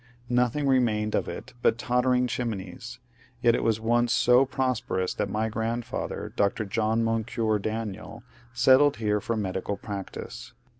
Nothing remained of it but tottering chimneys, yet it was once so prosperous that my grandfather Dr. John Moncure Daniel settled here for medical practice.